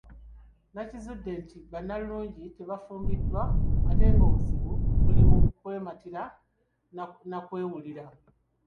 Nakizudde nti bannalulungi tebafumbirwa ate ng’obuzibu buli mu kwematira n’akwewulira.